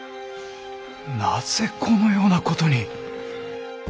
なぜこのようなことに。